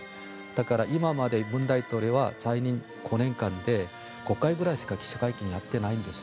だから今まで文大統領は在任中５回ぐらいしか記者会見をやってないんです。